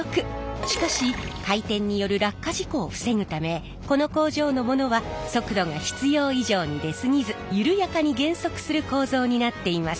しかし回転による落下事故を防ぐためこの工場のものは速度が必要以上に出過ぎず緩やかに減速する構造になっています。